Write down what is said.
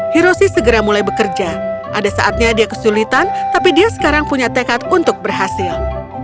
hiroshi segera mulai bekerja ada saatnya dia kesulitan tapi dia sekarang punya tekad untuk berhasil